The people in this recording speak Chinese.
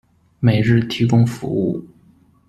每日提供服务。